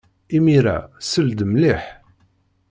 Imir-a, sel-d mliḥ.